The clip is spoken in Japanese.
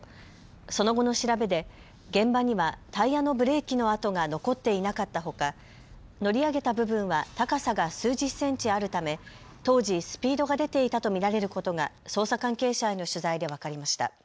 その後の調べで現場にはタイヤのブレーキの跡が残っていなかったほか乗り上げた部分は高さが数十センチあるため当時、スピードが出ていたと見られることが捜査関係者への取材で分かりました。